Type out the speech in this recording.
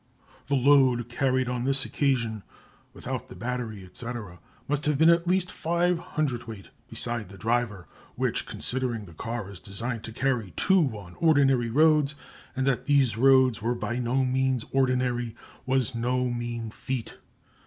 "The load carried on this occasion (without the battery, &c.) must have been at least five hundredweight besides the driver, which, considering the car is designed to carry two on ordinary roads, and that these roads were by no means ordinary, was no mean feat.